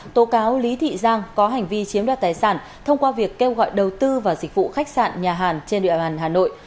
tố cáo lý thị giang có hành vi chiếm đoạt tài sản thông qua việc kêu gọi đầu tư và dịch vụ khách sạn nhà hàn trên đoạn hà nội